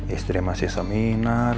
istri masih seminar